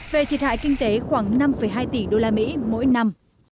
về thiệt hại kinh tế khoảng năm hai tỷ đô la mỹ mỗi năm